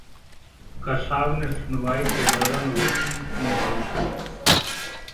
कसाब ने सुनवाई के दौरान वकील की मांग की